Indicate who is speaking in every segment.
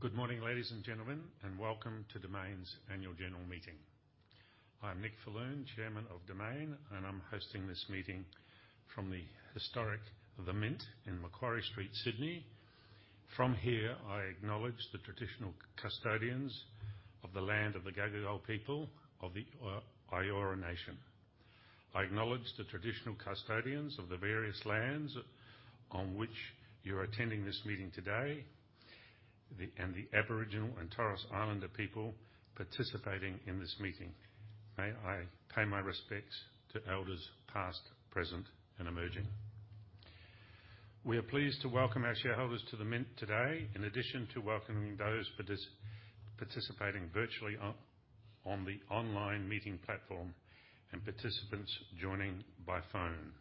Speaker 1: Good morning, ladies and gentlemen, and welcome to Domain's annual general meeting. I'm Nick Falloon, Chairman of Domain, and I'm hosting this meeting from the historic The Mint in Macquarie Street, Sydney. From here, I acknowledge the traditional custodians of the land of the Gadigal people of the Eora Nation. I acknowledge the traditional custodians of the various lands on which you're attending this meeting today, the and the Aboriginal and Torres Islander people participating in this meeting. May I pay my respects to elders past, present, and emerging. We are pleased to welcome our shareholders to The Mint today, in addition to welcoming those participating virtually on the online meeting platform and participants joining by phone.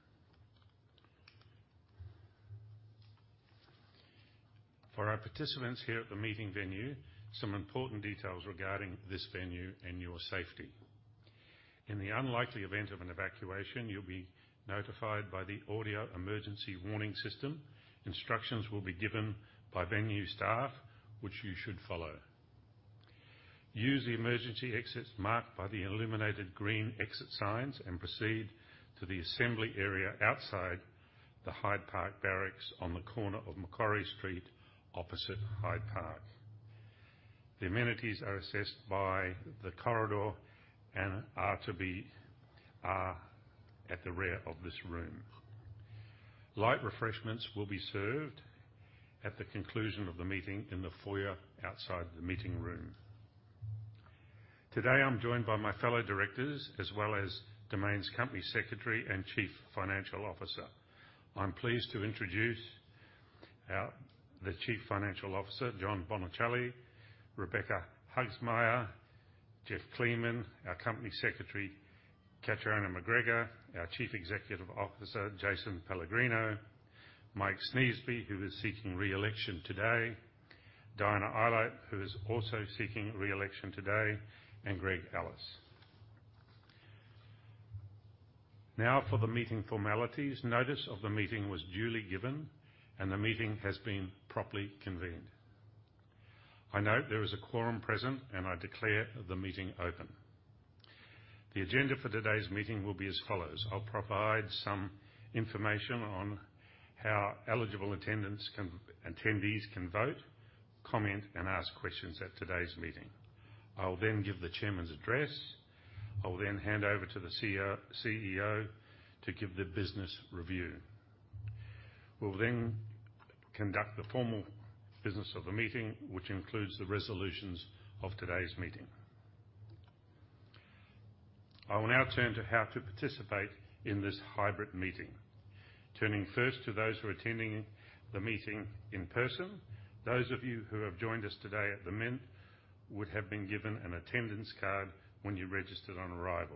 Speaker 1: For our participants here at the meeting venue, some important details regarding this venue and your safety. In the unlikely event of an evacuation, you'll be notified by the audio emergency warning system. Instructions will be given by venue staff, which you should follow. Use the emergency exits marked by the illuminated green exit signs and proceed to the assembly area outside the Hyde Park Barracks on the corner of Macquarie Street, opposite Hyde Park. The amenities are assessed by the corridor and are to be at the rear of this room. Light refreshments will be served at the conclusion of the meeting in the foyer outside the meeting room. Today, I'm joined by my fellow directors, as well as Domain's Company Secretary and Chief Financial Officer. I'm pleased to introduce the Chief Financial Officer, John Boniciolli, Rebecca Haagsma, Geoff Kleemann, our Company Secretary, Catriona McGregor, our Chief Executive Officer, Jason Pellegrino, Mike Sneesby, who is seeking re-election today, Diana Eilert, who is also seeking re-election today, and Greg Ellis. Now for the meeting formalities. Notice of the meeting was duly given, and the meeting has been properly convened. I note there is a quorum present, and I declare the meeting open. The agenda for today's meeting will be as follows: I'll provide some information on how eligible attendees can vote, comment, and ask questions at today's meeting. I'll then give the Chairman's address. I'll then hand over to the CEO to give the business review. We'll then conduct the formal business of the meeting, which includes the resolutions of today's meeting. I will now turn to how to participate in this hybrid meeting. Turning first to those who are attending the meeting in person. Those of you who have joined us today at The Mint would have been given an attendance card when you registered on arrival.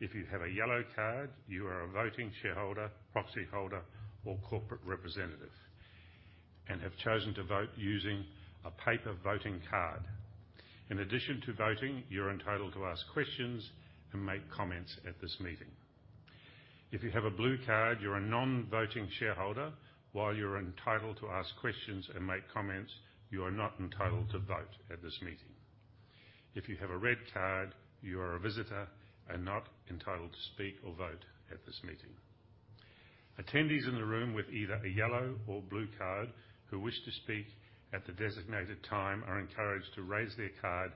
Speaker 1: If you have a yellow card, you are a voting shareholder, proxyholder, or corporate representative, and have chosen to vote using a paper voting card. In addition to voting, you're entitled to ask questions and make comments at this meeting. If you have a blue card, you're a non-voting shareholder. While you're entitled to ask questions and make comments, you are not entitled to vote at this meeting. If you have a red card, you are a visitor and not entitled to speak or vote at this meeting. Attendees in the room with either a yellow or blue card who wish to speak at the designated time are encouraged to raise their card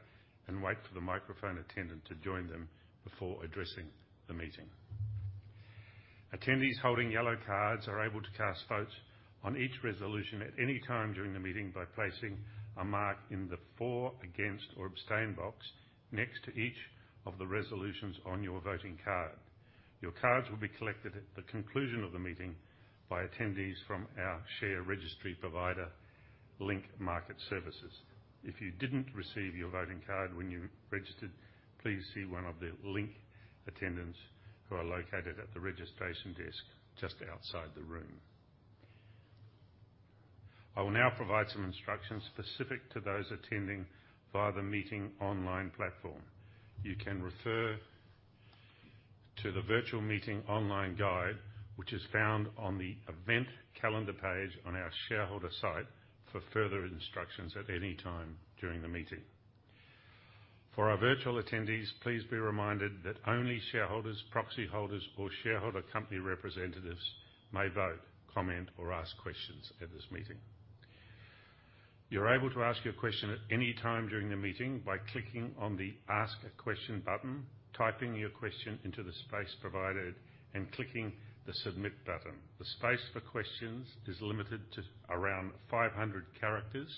Speaker 1: and wait for the microphone attendant to join them before addressing the meeting. Attendees holding yellow cards are able to cast votes on each resolution at any time during the meeting by placing a mark in the for, against, or abstain box next to each of the resolutions on your voting card. Your cards will be collected at the conclusion of the meeting by attendees from our share registry provider, Link Market Services. If you didn't receive your voting card when you registered, please see one of the Link attendants who are located at the registration desk just outside the room. I will now provide some instructions specific to those attending via the meeting online platform. You can refer to the virtual meeting online guide, which is found on the event calendar page on our shareholder site, for further instructions at any time during the meeting. For our virtual attendees, please be reminded that only shareholders, proxyholders, or shareholder company representatives may vote, comment, or ask questions at this meeting. You're able to ask your question at any time during the meeting by clicking on the Ask a Question button, typing your question into the space provided, and clicking the Submit button. The space for questions is limited to around 500 characters,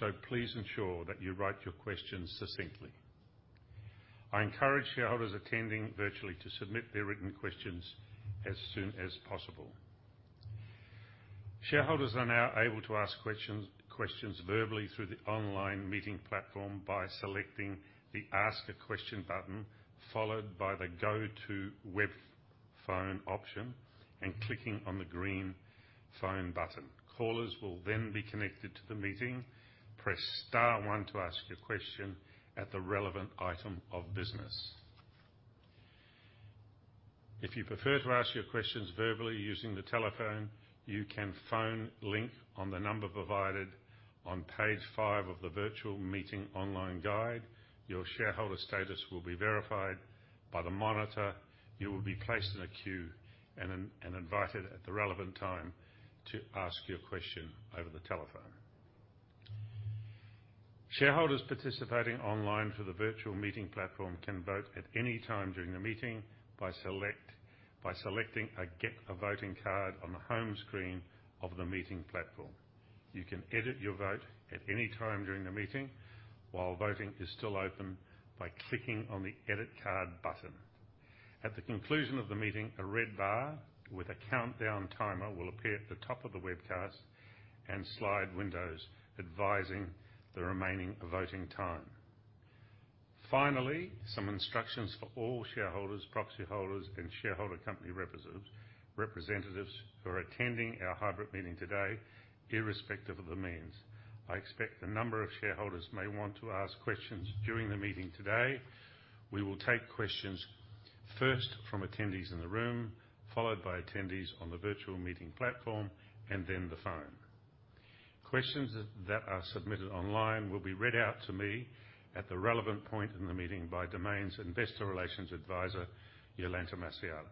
Speaker 1: so please ensure that you write your questions succinctly. I encourage shareholders attending virtually to submit their written questions as soon as possible. Shareholders are now able to ask questions verbally through the online meeting platform by selecting the Ask a Question button, followed by the Go to Web/Phone option, and clicking on the green Phone button. Callers will then be connected to the meeting. Press star one to ask your question at the relevant item of business. If you prefer to ask your questions verbally using the telephone, you can phone Link on the number provided on page five of the virtual meeting online guide. Your shareholder status will be verified by the monitor. You will be placed in a queue and invited at the relevant time to ask your question over the telephone. Shareholders participating online through the virtual meeting platform can vote at any time during the meeting by selecting a Get a Voting Card on the home screen of the meeting platform. You can edit your vote at any time during the meeting, while voting is still open, by clicking on the Edit Card button. At the conclusion of the meeting, a red bar with a countdown timer will appear at the top of the webcast and slide windows, advising the remaining voting time. Finally, some instructions for all shareholders, proxy holders, and shareholder company representatives who are attending our hybrid meeting today, irrespective of the means. I expect a number of shareholders may want to ask questions during the meeting today. We will take questions first from attendees in the room, followed by attendees on the virtual meeting platform, and then the phone. Questions that are submitted online will be read out to me at the relevant point in the meeting by Domain's Investor Relations Advisor, Jolanta Masojada.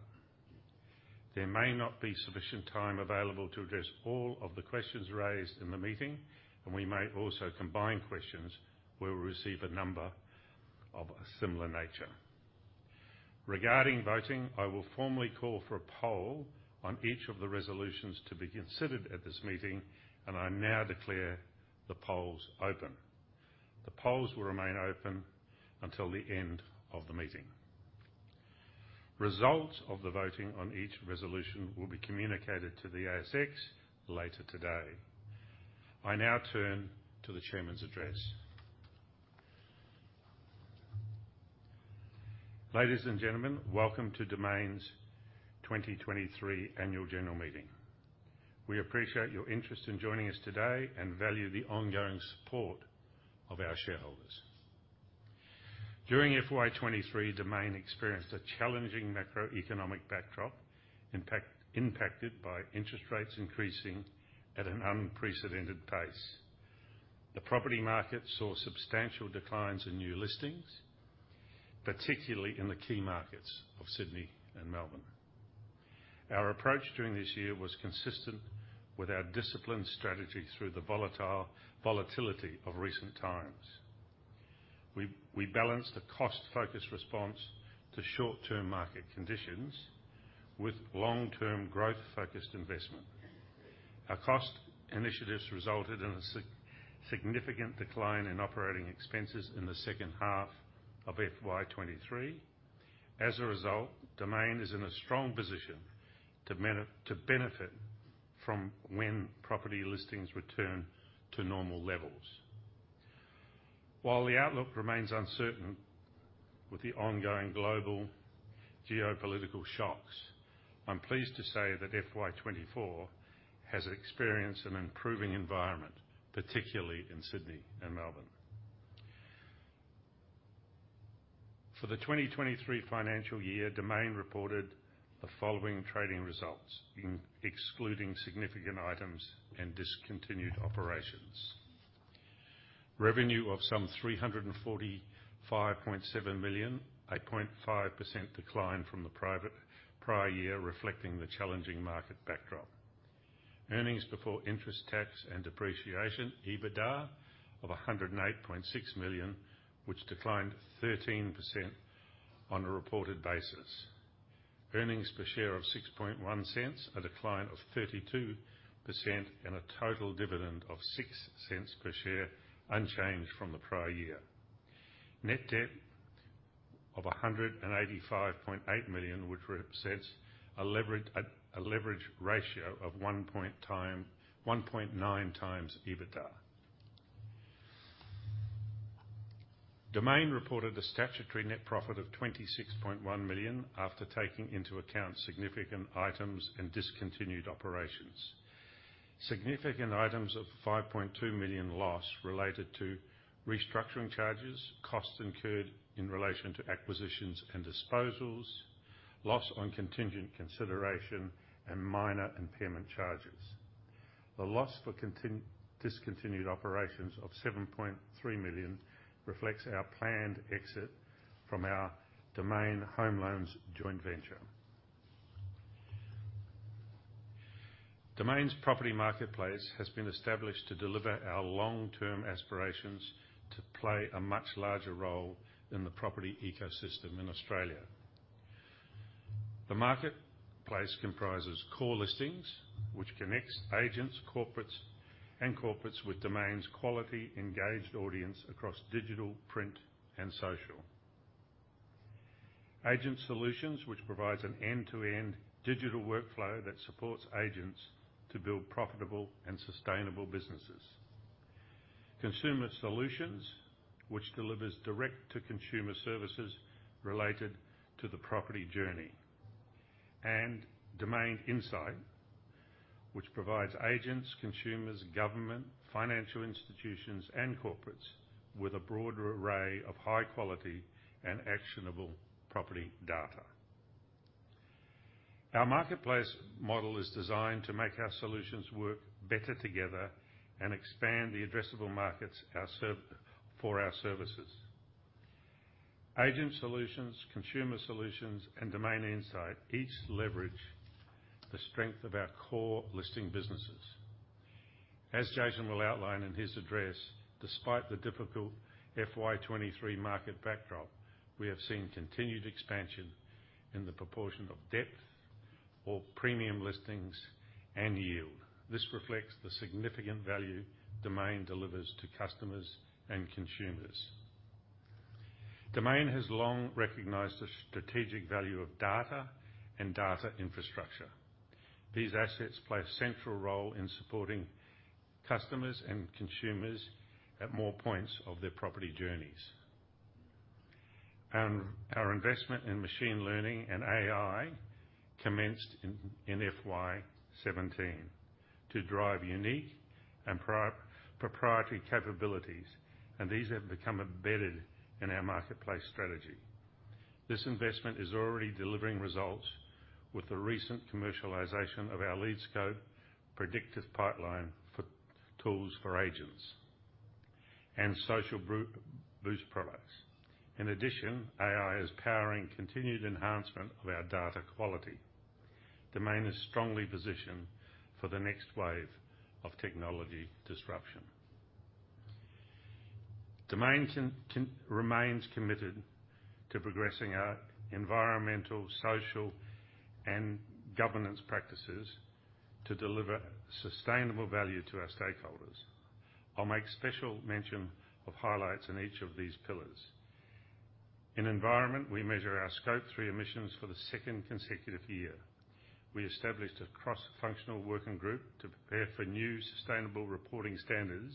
Speaker 1: There may not be sufficient time available to address all of the questions raised in the meeting, and we may also combine questions where we receive a number of a similar nature. Regarding voting, I will formally call for a poll on each of the resolutions to be considered at this meeting, and I now declare the polls open. The polls will remain open until the end of the meeting. Results of the voting on each resolution will be communicated to the ASX later today. I now turn to the chairman's address. Ladies and gentlemen, welcome to Domain's 2023 Annual General Meeting. We appreciate your interest in joining us today, and value the ongoing support of our shareholders. During FY 2023, Domain experienced a challenging macroeconomic backdrop, impacted by interest rates increasing at an unprecedented pace. The property market saw substantial declines in new listings, particularly in the key markets of Sydney and Melbourne. Our approach during this year was consistent with our disciplined strategy through the volatility of recent times. We balanced a cost-focused response to short-term market conditions with long-term growth-focused investment. Our cost initiatives resulted in a significant decline in operating expenses in the second half of FY 2023. As a result, Domain is in a strong position to benefit from when property listings return to normal levels. While the outlook remains uncertain with the ongoing global geopolitical shocks, I'm pleased to say that FY 2024 has experienced an improving environment, particularly in Sydney and Melbourne. For the 2023 financial year, Domain reported the following trading results, excluding significant items and discontinued operations. Revenue of some 345.7 million, a 0.5% decline from the prior year, reflecting the challenging market backdrop. Earnings before interest, tax, and depreciation, EBITDA, of 108.6 million, which declined 13% on a reported basis. Earnings per share of 0.061, a decline of 32%, and a total dividend of 0.06 per share, unchanged from the prior year. Net debt of 185.8 million, which represents a leverage ratio of 1.9x EBITDA. Domain reported a statutory net profit of 26.1 million after taking into account significant items and discontinued operations. Significant items of 5.2 million loss related to restructuring charges, costs incurred in relation to acquisitions and disposals, loss on contingent consideration, and minor impairment charges. The loss for discontinued operations of 7.3 million reflects our planned exit from our Domain Home Loans joint venture. Domain's Property Marketplace has been established to deliver our long-term aspirations to play a much larger role in the property ecosystem in Australia. The Marketplace comprises Core Listings, which connects agents, corporates, and corporates with Domain's quality, engaged audience across digital, print, and social. Agent Solutions, which provides an end-to-end digital workflow that supports agents to build profitable and sustainable businesses. Consumer Solutions, which delivers direct-to-consumer services related to the property journey. And Domain Insight, which provides agents, consumers, government, financial institutions, and corporates with a broader array of high quality and actionable property data. Our marketplace model is designed to make our solutions work better together and expand the addressable markets we serve for our services. Agent solutions, consumer solutions, and Domain Insight each leverage the strength of our core listing businesses. As Jason will outline in his address, despite the difficult FY 2023 market backdrop, we have seen continued expansion in the proportion of depth or premium listings and yield. This reflects the significant value Domain delivers to customers and consumers. Domain has long recognized the strategic value of data and data infrastructure. These assets play a central role in supporting customers and consumers at more points of their property journeys. And our investment in machine learning and AI commenced in FY 2017 to drive unique and proprietary capabilities, and these have become embedded in our marketplace strategy. This investment is already delivering results with the recent commercialization of our LeadScope predictive pipeline for tools for agents and Social Boost products. In addition, AI is powering continued enhancement of our data quality. Domain is strongly positioned for the next wave of technology disruption. Domain remains committed to progressing our environmental, social, and governance practices to deliver sustainable value to our stakeholders. I'll make special mention of highlights in each of these pillars. In environment, we measure our Scope 3 emissions for the second consecutive year. We established a cross-functional working group to prepare for new sustainable reporting standards,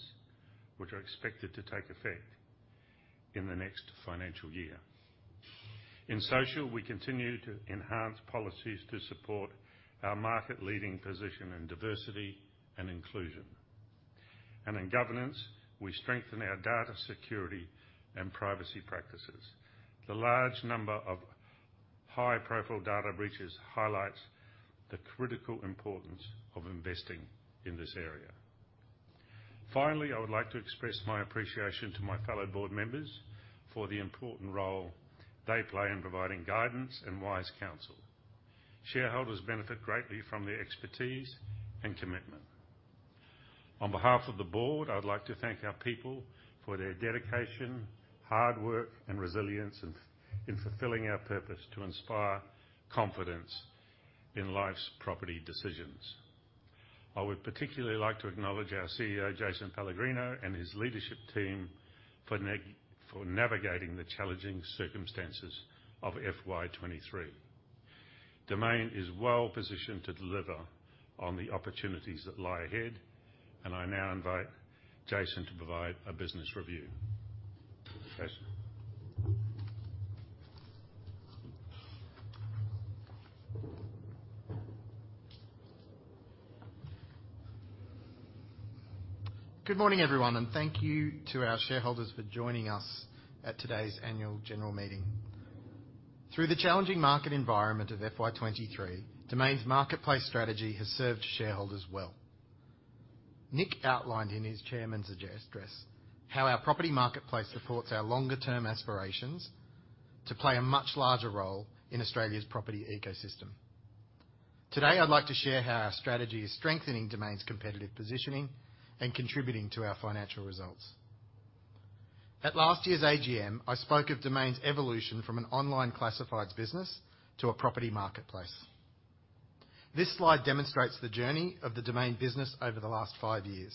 Speaker 1: which are expected to take effect in the next financial year. In social, we continue to enhance policies to support our market-leading position in diversity and inclusion. In governance, we strengthen our data security and privacy practices. The large number of high-profile data breaches highlights the critical importance of investing in this area. Finally, I would like to express my appreciation to my fellow board members for the important role they play in providing guidance and wise counsel. Shareholders benefit greatly from their expertise and commitment. On behalf of the board, I'd like to thank our people for their dedication, hard work, and resilience in fulfilling our purpose to inspire confidence in life's property decisions. I would particularly like to acknowledge our CEO, Jason Pellegrino, and his leadership team for navigating the challenging circumstances of FY 2023. Domain is well positioned to deliver on the opportunities that lie ahead, and I now invite Jason to provide a business review. Jason?
Speaker 2: Good morning, everyone, and thank you to our shareholders for joining us at today's annual general meeting. Through the challenging market environment of FY 2023, Domain's marketplace strategy has served shareholders well. Nick outlined in his chairman's address, how our property marketplace supports our longer-term aspirations to play a much larger role in Australia's property ecosystem. Today, I'd like to share how our strategy is strengthening Domain's competitive positioning and contributing to our financial results. At last year's AGM, I spoke of Domain's evolution from an online classifieds business to a property marketplace. This slide demonstrates the journey of the Domain business over the last five years.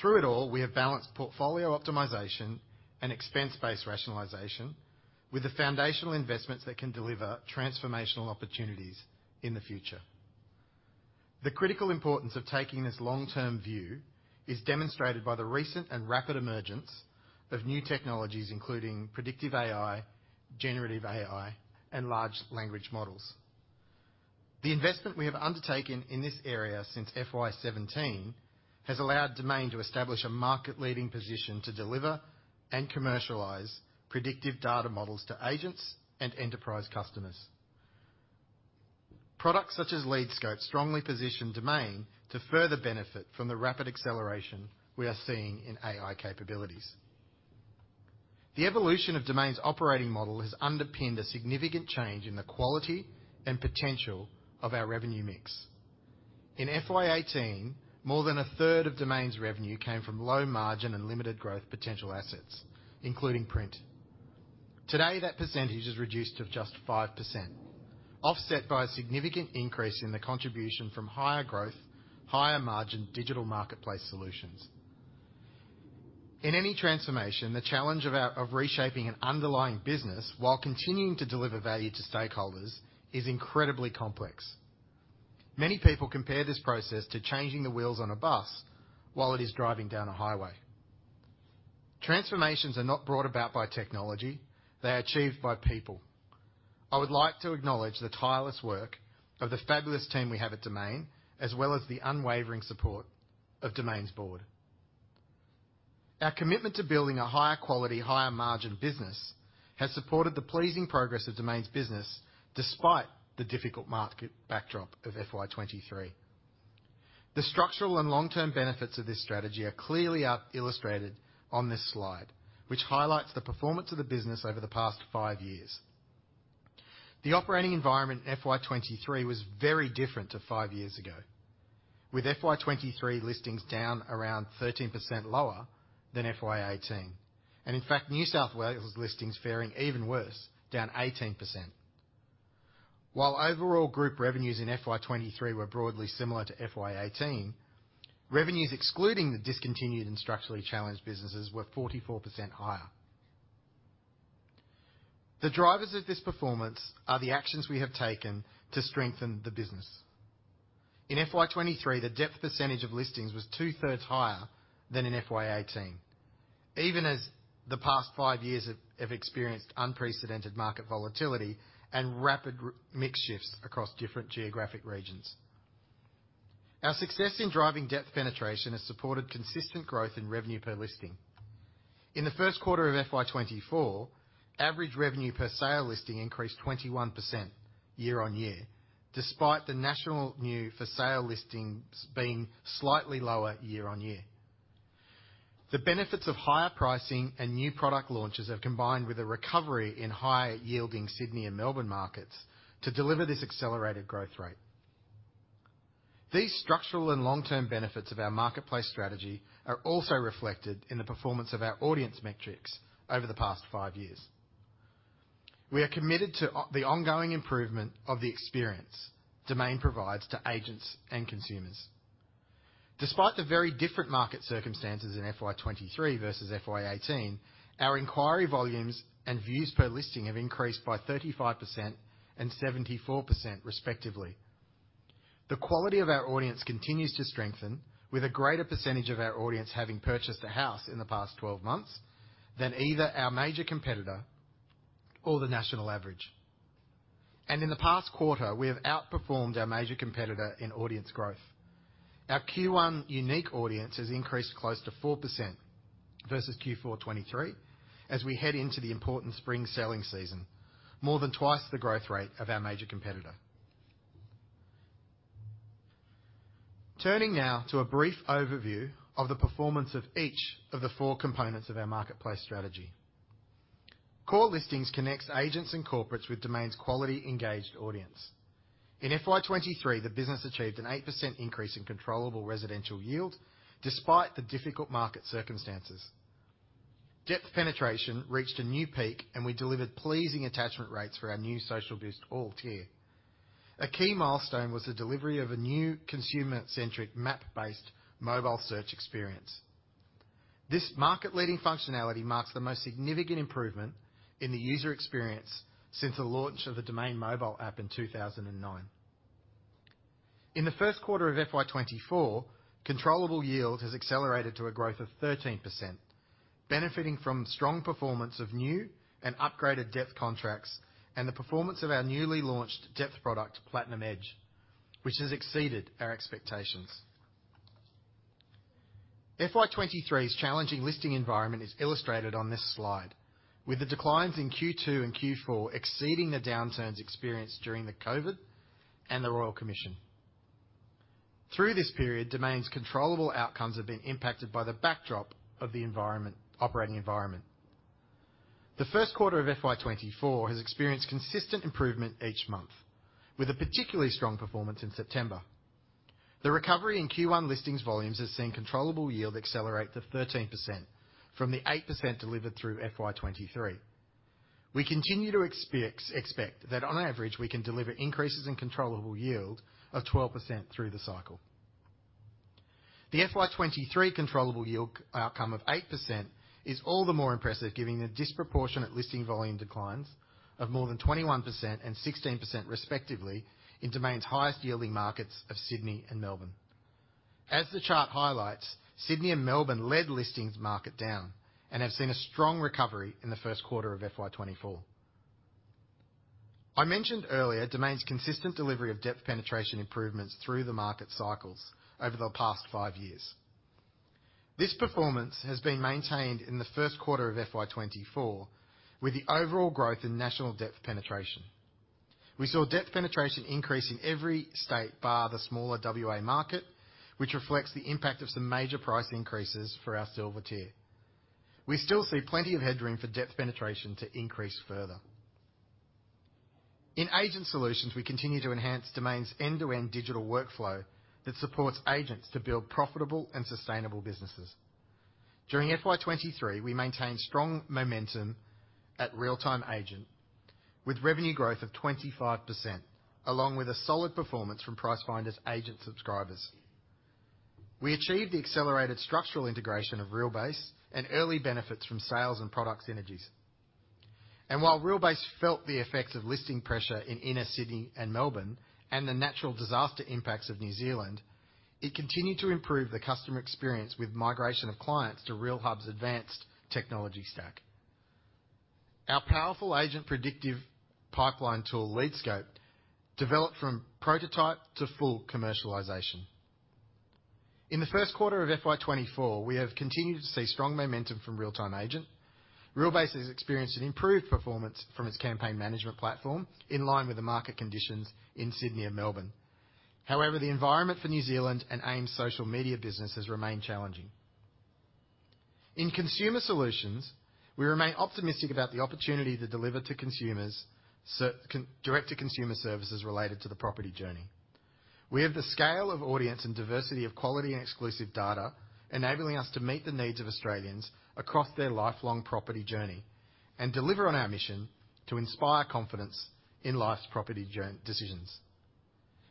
Speaker 2: Through it all, we have balanced portfolio optimization and expense-based rationalization with the foundational investments that can deliver transformational opportunities in the future. The critical importance of taking this long-term view is demonstrated by the recent and rapid emergence of new technologies, including predictive AI, generative AI, and large language models. The investment we have undertaken in this area since FY 2017 has allowed Domain to establish a market-leading position to deliver and commercialize predictive data models to agents and enterprise customers. Products such as LeadScope strongly position Domain to further benefit from the rapid acceleration we are seeing in AI capabilities. The evolution of Domain's operating model has underpinned a significant change in the quality and potential of our revenue mix. In FY 2018, more than a third of Domain's revenue came from low margin and limited growth potential assets, including print. Today, that percentage is reduced to just 5%, offset by a significant increase in the contribution from higher growth, higher margin digital marketplace solutions. In any transformation, the challenge of reshaping an underlying business while continuing to deliver value to stakeholders is incredibly complex. Many people compare this process to changing the wheels on a bus while it is driving down a highway. Transformations are not brought about by technology, they are achieved by people. I would like to acknowledge the tireless work of the fabulous team we have at Domain, as well as the unwavering support of Domain's board. Our commitment to building a higher quality, higher margin business has supported the pleasing progress of Domain's business, despite the difficult market backdrop of FY 2023. The structural and long-term benefits of this strategy are clearly illustrated on this slide, which highlights the performance of the business over the past five years. The operating environment in FY 2023 was very different to five years ago, with FY 2023 listings down around 13% lower than FY 2018, and in fact, New South Wales' listings faring even worse, down 18%. While overall group revenues in FY 2023 were broadly similar to FY 2018, revenues excluding the discontinued and structurally challenged businesses were 44% higher. The drivers of this performance are the actions we have taken to strengthen the business. In FY 2023, the depth penetration of listings was 2/3 higher than in FY 2018. Even as the past five years have experienced unprecedented market volatility and rapid mix shifts across different geographic regions. Our success in driving depth penetration has supported consistent growth in revenue per listing. In the first quarter of FY 2024, average revenue per sale listing increased 21% year-on-year, despite the national new for sale listings being slightly lower year-on-year. The benefits of higher pricing and new product launches have combined with a recovery in high-yielding Sydney and Melbourne markets to deliver this accelerated growth rate. These structural and long-term benefits of our marketplace strategy are also reflected in the performance of our audience metrics over the past five years. We are committed to the ongoing improvement of the experience Domain provides to agents and consumers. Despite the very different market circumstances in FY 2023 versus FY 2018, our inquiry volumes and views per listing have increased by 35% and 74%, respectively. The quality of our audience continues to strengthen, with a greater percentage of our audience having purchased a house in the past 12 months than either our major competitor or the national average. In the past quarter, we have outperformed our major competitor in audience growth. Our Q1 unique audience has increased close to 4% versus Q4 2023, as we head into the important spring selling season, more than twice the growth rate of our major competitor. Turning now to a brief overview of the performance of each of the four components of our marketplace strategy. Core Listings connects agents and corporates with Domain's quality, engaged audience. In FY 2023, the business achieved an 8% increase in controllable residential yield, despite the difficult market circumstances. Depth penetration reached a new peak, and we delivered pleasing attachment rates for our new Social Boost All Tier. A key milestone was the delivery of a new consumer-centric, map-based, mobile search experience. This market-leading functionality marks the most significant improvement in the user experience since the launch of the Domain mobile app in 2009. In the first quarter of FY 2024, controllable yield has accelerated to a growth of 13%, benefiting from strong performance of new and upgraded depth contracts, and the performance of our newly launched depth product, Platinum Edge, which has exceeded our expectations. FY 2023's challenging listing environment is illustrated on this slide, with the declines in Q2 and Q4 exceeding the downturns experienced during the COVID and the Royal Commission. Through this period, Domain's controllable outcomes have been impacted by the backdrop of the environment, operating environment. The first quarter of FY 2024 has experienced consistent improvement each month, with a particularly strong performance in September. The recovery in Q1 listings volumes has seen controllable yield accelerate to 13% from the 8% delivered through FY 2023. We continue to expect that, on average, we can deliver increases in controllable yield of 12% through the cycle. The FY 2023 controllable yield outcome of 8% is all the more impressive, giving the disproportionate listing volume declines of more than 21% and 16% respectively in Domain's highest yielding markets of Sydney and Melbourne. As the chart highlights, Sydney and Melbourne led listings market down and have seen a strong recovery in the first quarter of FY 2024. I mentioned earlier, Domain's consistent delivery of depth penetration improvements through the market cycles over the past five years. This performance has been maintained in the first quarter of FY 2024, with the overall growth in national depth penetration. We saw depth penetration increase in every state, bar the smaller WA market, which reflects the impact of some major price increases for our silver tier. We still see plenty of headroom for depth penetration to increase further. In Agent Solutions, we continue to enhance Domain's end-to-end digital workflow that supports agents to build profitable and sustainable businesses. During FY 2023, we maintained strong momentum at Realtime Agent, with revenue growth of 25%, along with a solid performance from Pricefinder's agent subscribers. We achieved the accelerated structural integration of Realbase and early benefits from sales and product synergies. And while Realbase felt the effects of listing pressure in inner Sydney and Melbourne and the natural disaster impacts of New Zealand, it continued to improve the customer experience with migration of clients to Realhub's advanced technology stack. Our powerful agent predictive pipeline tool, LeadScope, developed from prototype to full commercialization. In the first quarter of FY 2024, we have continued to see strong momentum from Realtime Agent. Realbase has experienced an improved performance from its campaign management platform, in line with the market conditions in Sydney and Melbourne. However, the environment for New Zealand and AIM's social media business has remained challenging. In consumer solutions, we remain optimistic about the opportunity to deliver to consumers direct-to-consumer services related to the property journey. We have the scale of audience and diversity of quality and exclusive data, enabling us to meet the needs of Australians across their lifelong property journey and deliver on our mission to inspire confidence in life's property journey decisions.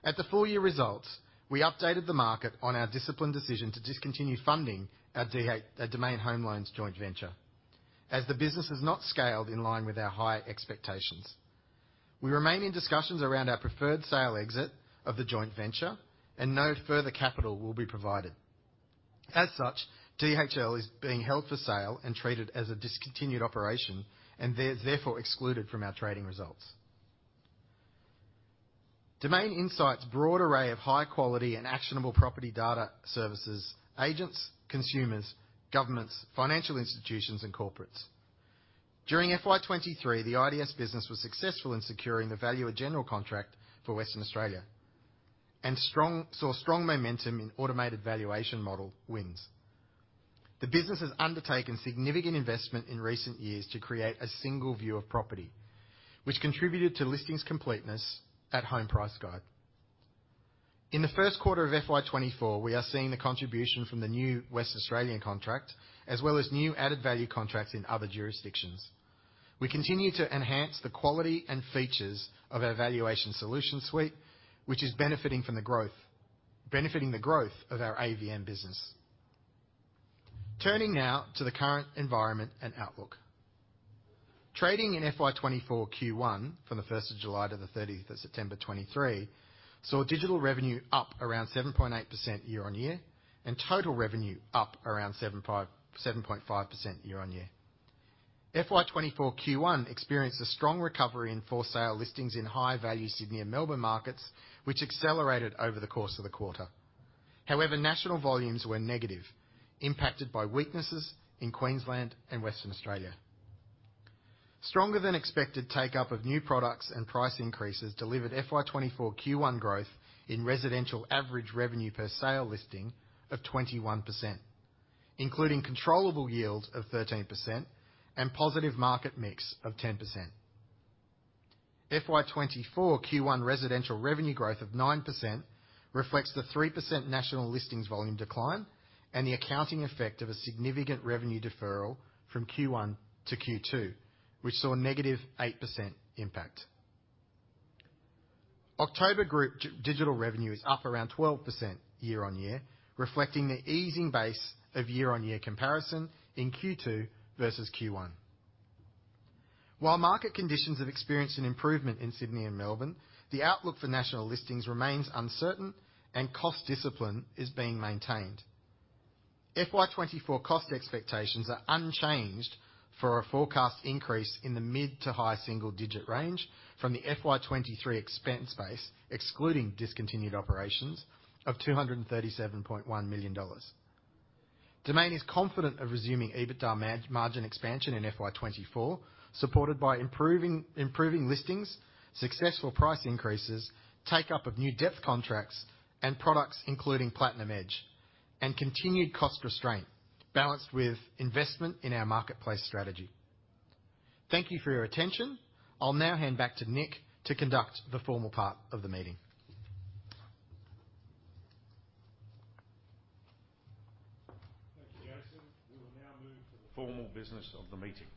Speaker 2: At the full year results, we updated the market on our disciplined decision to discontinue funding our Domain Home Loans joint venture, as the business has not scaled in line with our high expectations. We remain in discussions around our preferred sale exit of the joint venture, and no further capital will be provided. As such, DHL is being held for sale and treated as a discontinued operation, and therefore excluded from our trading results. Domain Insights' broad array of high quality and actionable property data services, agents, consumers, governments, financial institutions, and corporates. During FY 2023, the IDS business was successful in securing the Valuer-General contract for Western Australia, and saw strong momentum in automated valuation model wins. The business has undertaken significant investment in recent years to create a single view of property, which contributed to listings completeness at Home Price Guide. In the first quarter of FY 2024, we are seeing the contribution from the new Western Australian contract, as well as new added value contracts in other jurisdictions. We continue to enhance the quality and features of our valuation solution suite, which is benefiting from the growth of our AVM business. Turning now to the current environment and outlook. Trading in FY 2024 Q1, from July to September 30, 2023, saw digital revenue up around 7.8% year-on-year, and total revenue up around 7.5% year-on-year. FY 2024 Q1 experienced a strong recovery in for-sale listings in high-value Sydney and Melbourne markets, which accelerated over the course of the quarter. However, national volumes were negative, impacted by weaknesses in Queensland and Western Australia. Stronger than expected take-up of new products and price increases delivered FY 2024 Q1 growth in residential average revenue per sale listing of 21%, including controllable yield of 13% and positive market mix of 10%. FY 2024 Q1 residential revenue growth of 9% reflects the 3% national listings volume decline and the accounting effect of a significant revenue deferral from Q1 to Q2, which saw a -8% impact. October group digital revenue is up around 12% year-on-year, reflecting the easing base of year-on-year comparison in Q2 versus Q1. While market conditions have experienced an improvement in Sydney and Melbourne, the outlook for national listings remains uncertain and cost discipline is being maintained. FY 2024 cost expectations are unchanged for a forecast increase in the mid- to high-single-digit range from the FY 2023 expense base, excluding discontinued operations of 237.1 million dollars. Domain is confident of resuming EBITDA margin expansion in FY 2024, supported by improving listings, successful price increases, take up of new depth contracts and products, including Platinum Edge, and continued cost restraint, balanced with investment in our marketplace strategy. Thank you for your attention. I'll now hand back to Nick to conduct the formal part of the meeting.
Speaker 1: Thank you, Jason. We will now move to the formal business of the meeting.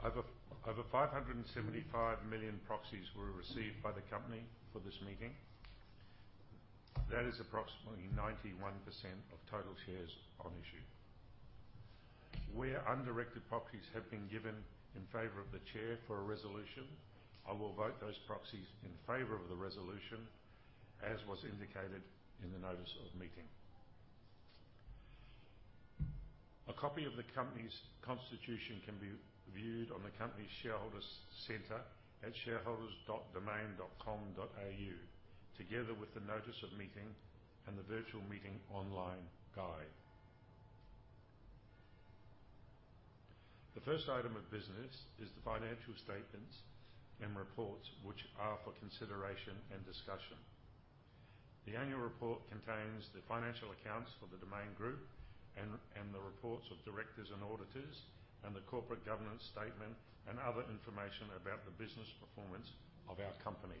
Speaker 1: Over 575 million proxies were received by the company for this meeting. That is approximately 91% of total shares on issue. Where undirected proxies have been given in favor of the Chair for a resolution, I will vote those proxies in favor of the resolution, as was indicated in the notice of the meeting. A copy of the company's constitution can be viewed on the company's Shareholder Centre at shareholders.domain.com.au, together with the notice of meeting and the virtual meeting online guide. The first item of business is the financial statements and reports, which are for consideration and discussion. The annual report contains the financial accounts for the Domain Group and the reports of directors and auditors, and the corporate governance statement, and other information about the business performance of our company.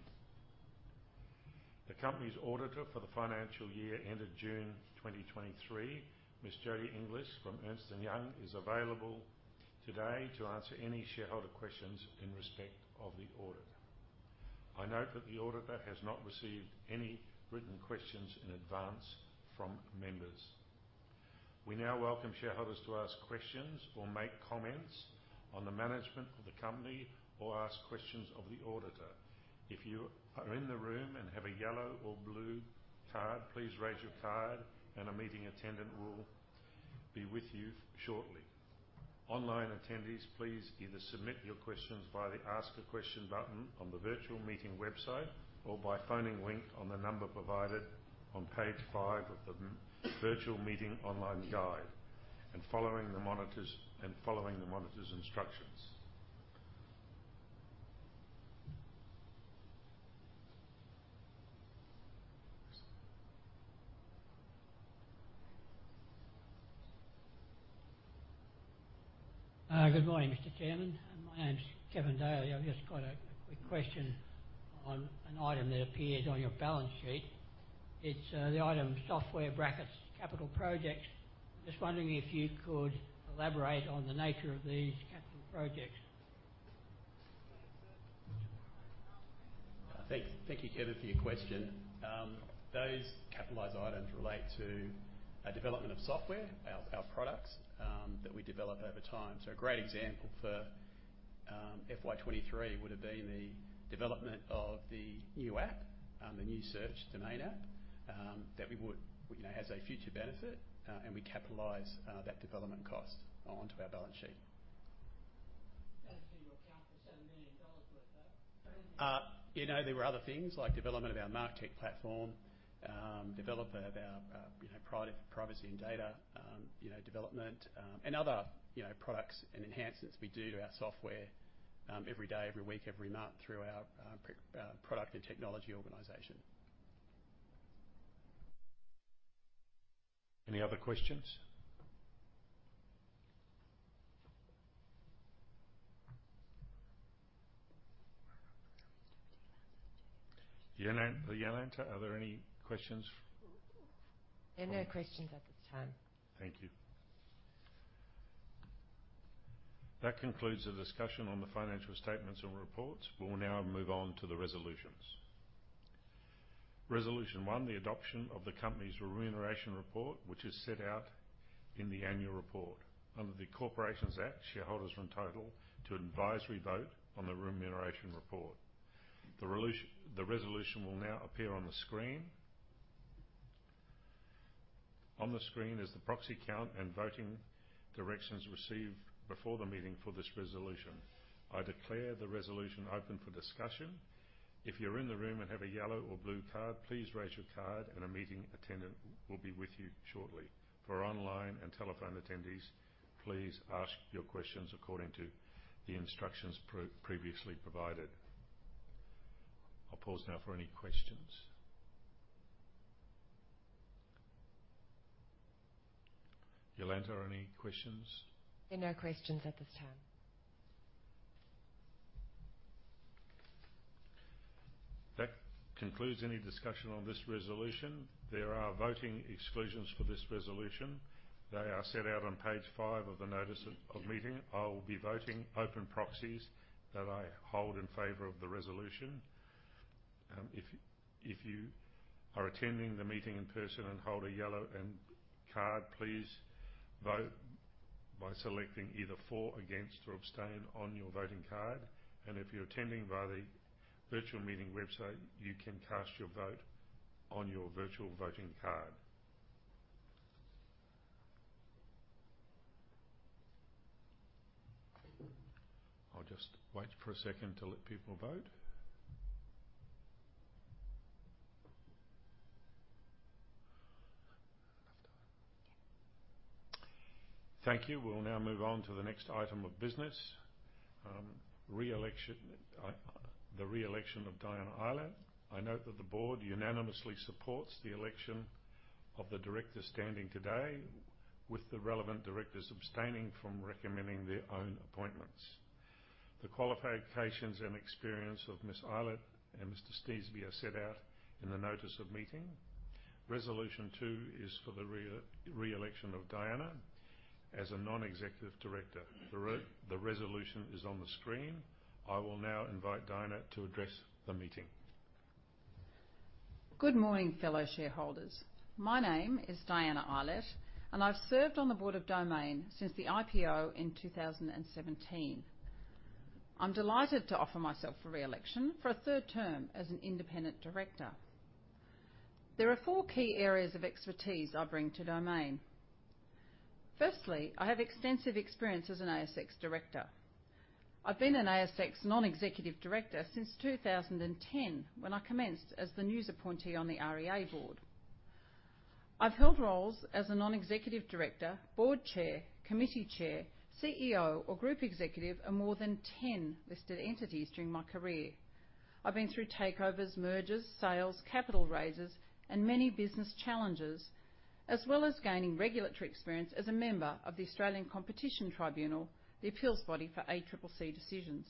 Speaker 1: The company's auditor for the financial year ended June 2023, Ms. Jodie Inglis from Ernst & Young, is available today to answer any shareholder questions in respect of the audit. I note that the auditor has not received any written questions in advance from members. We now welcome shareholders to ask questions or make comments on the management of the company, or ask questions of the auditor. If you are in the room and have a yellow or blue card, please raise your card and a meeting attendant will be with you shortly. Online attendees, please either submit your questions via the Ask a Question button on the virtual meeting website, or by phoning Link on the number provided on page 5 of the virtual meeting online guide, and following the monitor's instructions.
Speaker 3: Good morning, Mr. Chairman. My name's Kevin Daly. I've just got a quick question on an item that appeared on your balance sheet. It's the item software (capital projects). Just wondering if you could elaborate on the nature of these capital projects?
Speaker 4: Thank you, Kevin, for your question. Those capitalized items relate to a development of software, our products, that we develop over time. So a great example for FY 2023 would have been the development of the new app, the new search Domain app. That we would, you know, has a future benefit, and we capitalize that development cost onto our balance sheet.
Speaker 3: That account for AUD 7 million worth, though?
Speaker 4: You know, there were other things like development of our MarTech platform, development of our privacy and data, you know, development, and other products and enhancements we do to our software every day, every week, every month through our product and technology organization.
Speaker 1: Any other questions? Jolanta, Jolanta, are there any questions?
Speaker 5: There are no questions at this time.
Speaker 1: Thank you. That concludes the discussion on the financial statements and reports. We will now move on to the resolutions. Resolution one, the adoption of the company's remuneration report, which is set out in the annual report. Under the Corporations Act, shareholders are entitled to an advisory vote on the remuneration report. The resolution will now appear on the screen. On the screen is the proxy count and voting directions received before the meeting for this resolution. I declare the resolution open for discussion. If you're in the room and have a yellow or blue card, please raise your card and a meeting attendant will be with you shortly. For online and telephone attendees, please ask your questions according to the instructions previously provided. I'll pause now for any questions. Jolanta, are any questions?
Speaker 5: There are no questions at this time.
Speaker 1: That concludes any discussion on this resolution. There are voting exclusions for this resolution. They are set out on page five of the notice of meeting. I will be voting open proxies that I hold in favor of the resolution. If you are attending the meeting in person and hold a yellow card, please vote by selecting either for, against, or abstain on your voting card. If you're attending via the virtual meeting website, you can cast your vote on your virtual voting card. I'll just wait for a second to let people vote. Thank you. We'll now move on to the next item of business. Re-election. The re-election of Diana Eilert. I note that the board unanimously supports the election of the director standing today, with the relevant directors abstaining from recommending their own appointments. The qualifications and experience of Ms. Eilert and Mr. Sneesby are set out in the notice of meeting. Resolution two is for the re-election of Diana as a Non-Executive Director. The resolution is on the screen. I will now invite Diana to address the meeting.
Speaker 6: Good morning, fellow shareholders. My name is Diana Eilert, and I've served on the board of Domain since the IPO in 2017. I'm delighted to offer myself for re-election for a third term as an independent director. There are four key areas of expertise I bring to Domain. Firstly, I have extensive experience as an ASX director. I've been an ASX non-executive director since 2010, when I commenced as the Nine's appointee on the REA board. I've held roles as a non-executive director, board chair, committee chair, CEO, or group executive of more than 10 listed entities during my career. I've been through takeovers, mergers, sales, capital raises, and many business challenges, as well as gaining regulatory experience as a member of the Australian Competition Tribunal, the appeals body for ACCC decisions.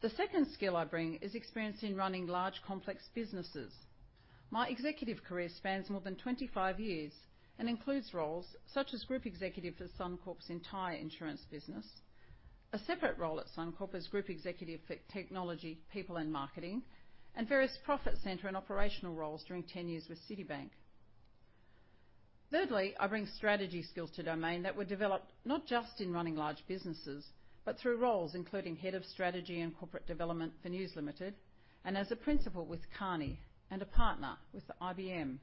Speaker 6: The second skill I bring is experience in running large, complex businesses. My executive career spans more than 25 years and includes roles such as Group Executive for Suncorp's entire insurance business, a separate role at Suncorp as Group Executive for Technology, People, and Marketing, and various profit center and operational roles during 10 years with Citibank. Thirdly, I bring strategy skills to Domain that were developed not just in running large businesses, but through roles including Head of Strategy and Corporate Development for News Limited, and as a Principal with Kearney and a Partner with IBM.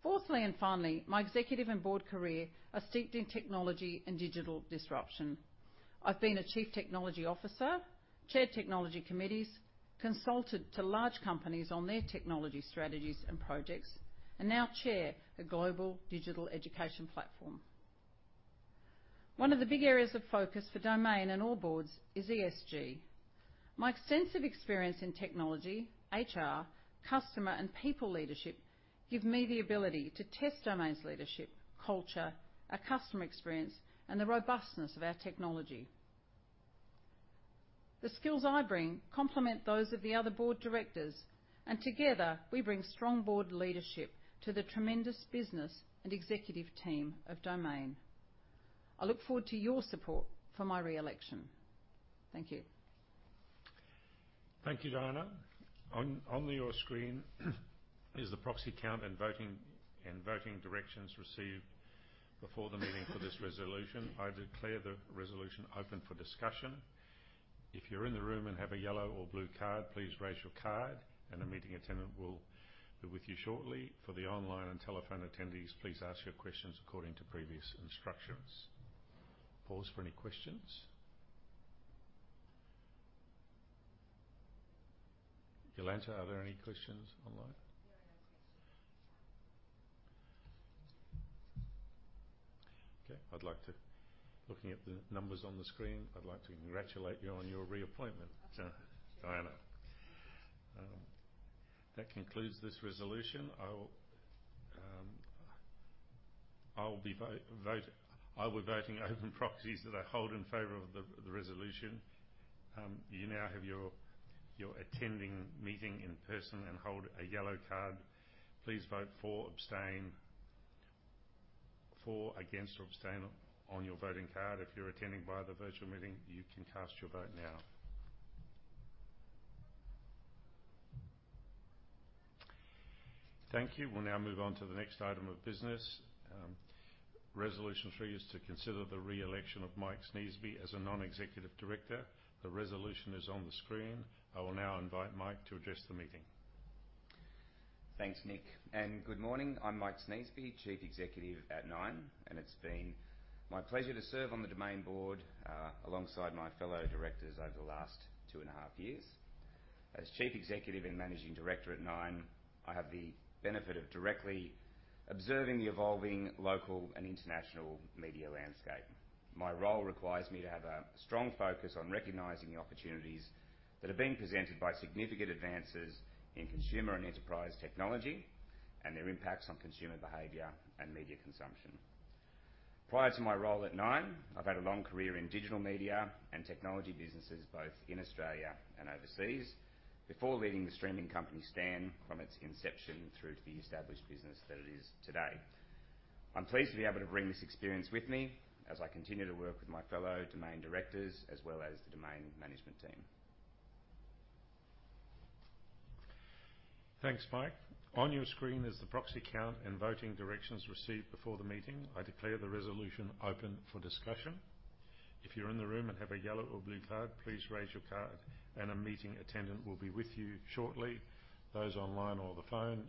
Speaker 6: Fourthly, and finally, my executive and board career are steeped in technology and digital disruption. I've been a Chief Technology Officer, Chaired Technology Committees, consulted to large companies on their technology strategies and projects, and now chair a global digital education platform. One of the big areas of focus for Domain and all boards is ESG. My extensive experience in technology, HR, customer, and people leadership give me the ability to test Domain's leadership, culture, our customer experience, and the robustness of our technology. The skills I bring complement those of the other board directors, and together, we bring strong board leadership to the tremendous business and executive team of Domain. I look forward to your support for my re-election. Thank you.
Speaker 1: Thank you, Diana. On your screen is the proxy count and voting directions received before the meeting for this resolution. I declare the resolution open for discussion. If you're in the room and have a yellow or blue card, please raise your card, and a meeting attendant will be with you shortly. For the online and telephone attendees, please ask your questions according to previous instructions. Pause for any questions. Jolanta, are there any questions online?
Speaker 5: There are no questions.
Speaker 1: Okay, looking at the numbers on the screen, I'd like to congratulate you on your reappointment, Diana. That concludes this resolution. I will be voting open proxies that I hold in favor of the resolution. You now have your, if you're attending the meeting in person and hold a yellow card, please vote for, abstain, against, or abstain on your voting card. If you're attending via the virtual meeting, you can cast your vote now. Thank you. We'll now move on to the next item of business. Resolution three is to consider the re-election of Mike Sneesby as a non-executive director. The resolution is on the screen. I will now invite Mike to address the meeting.
Speaker 7: Thanks, Nick, and good morning. I'm Mike Sneesby, Chief Executive at Nine, and it's been my pleasure to serve on the Domain Board, alongside my fellow directors over the last 2.5 years. As Chief Executive and Managing Director at Nine, I have the benefit of directly observing the evolving local and international media landscape. My role requires me to have a strong focus on recognizing the opportunities that are being presented by significant advances in consumer and enterprise technology and their impacts on consumer behavior and media consumption. Prior to my role at Nine, I've had a long career in digital media and technology businesses, both in Australia and overseas, before leading the streaming company, Stan, from its inception through to the established business that it is today. I'm pleased to be able to bring this experience with me as I continue to work with my fellow Domain directors as well as the Domain management team.
Speaker 1: Thanks, Mike. On your screen is the proxy count and voting directions received before the meeting. I declare the resolution open for discussion. If you're in the room and have a yellow or blue card, please raise your card, and a meeting attendant will be with you shortly. Those online or on the phone,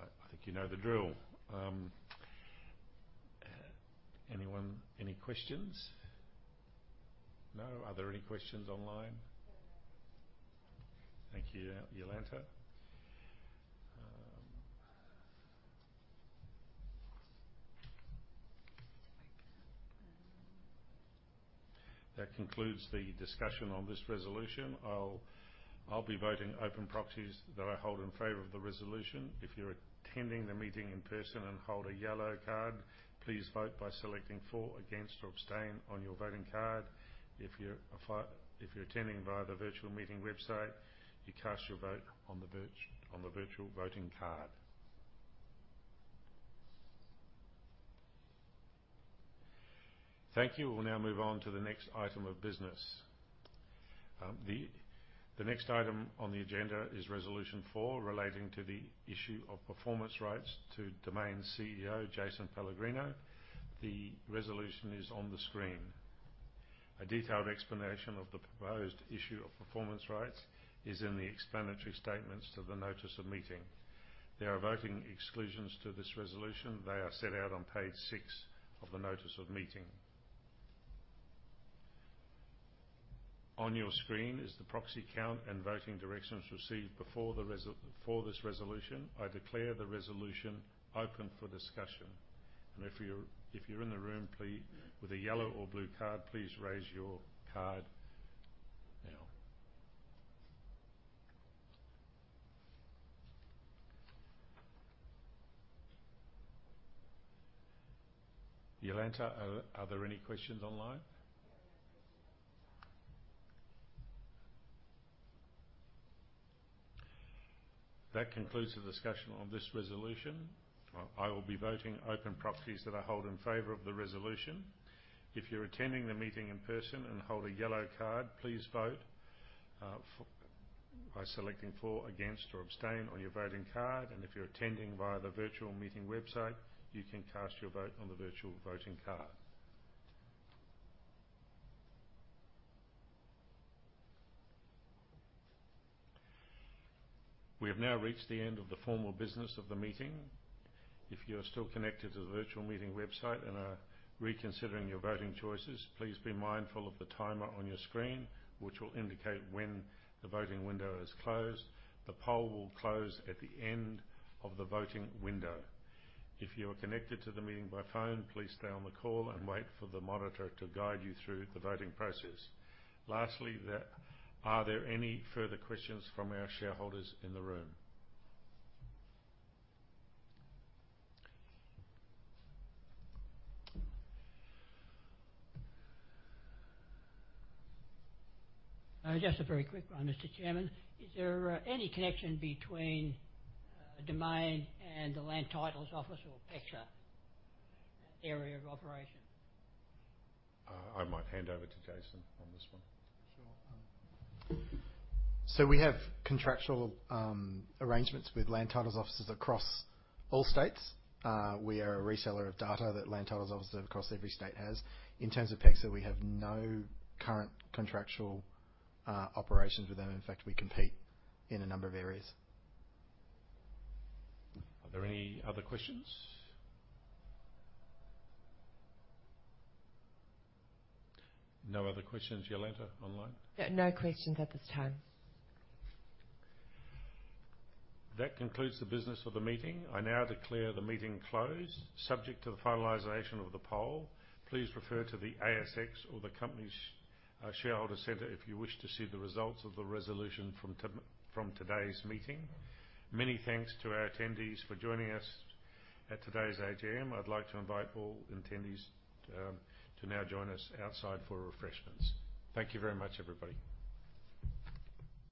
Speaker 1: I think you know the drill. Anyone, any questions? No. Are there any questions online?
Speaker 5: There are no questions.
Speaker 1: Thank you, Jolanta.
Speaker 5: It's right there.
Speaker 1: That concludes the discussion on this resolution. I'll be voting open proxies that I hold in favor of the resolution. If you're attending the meeting in person and hold a yellow card, please vote by selecting for, against, or abstain on your voting card. If you're attending via the virtual meeting website, you cast your vote on the virtual voting card. Thank you. We'll now move on to the next item of business. The next item on the agenda is Resolution Four, relating to the issue of performance rights to Domain's CEO, Jason Pellegrino. The resolution is on the screen. A detailed explanation of the proposed issue of performance rights is in the explanatory statements to the notice of meeting. There are voting exclusions to this resolution. They are set out on page six of the notice of meeting. On your screen is the proxy count and voting directions received before the resolution for this resolution. I declare the resolution open for discussion, and if you're in the room, please, with a yellow or blue card, please raise your card now. Jolanta, are there any questions online? That concludes the discussion on this resolution. Well, I will be voting open properties that I hold in favor of the resolution. If you're attending the meeting in person and hold a yellow card, please vote by selecting for, against, or abstain on your voting card. If you're attending via the virtual meeting website, you can cast your vote on the virtual voting card. We have now reached the end of the formal business of the meeting. If you are still connected to the virtual meeting website and are reconsidering your voting choices, please be mindful of the timer on your screen, which will indicate when the voting window is closed. The poll will close at the end of the voting window. If you are connected to the meeting by phone, please stay on the call and wait for the monitor to guide you through the voting process. Lastly, are there any further questions from our shareholders in the room?
Speaker 3: Just a very quick one, Mr. Chairman. Is there any connection between Domain and the Land Titles Office or PEXA area of operation?
Speaker 1: I might hand over to Jason on this one.
Speaker 2: Sure. So we have contractual arrangements with Land Titles offices across all states. We are a reseller of data that Land Titles offices across every state has. In terms of PEXA, we have no current contractual operations with them. In fact, we compete in a number of areas.
Speaker 1: Are there any other questions? No other questions, Jolanta, online?
Speaker 5: No questions at this time.
Speaker 1: That concludes the business of the meeting. I now declare the meeting closed, subject to the finalization of the poll. Please refer to the ASX or the company's shareholder center if you wish to see the results of the resolution from today's meeting. Many thanks to our attendees for joining us at today's AGM. I'd like to invite all attendees to now join us outside for refreshments. Thank you very much, everybody.